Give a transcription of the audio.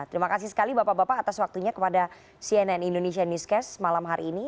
terima kasih sekali bapak bapak atas waktunya kepada cnn indonesia newscast malam hari ini